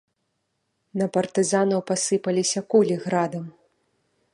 На партызанаў пасыпаліся кулі градам.